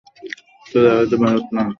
সোজা কথা, ভারত লাল।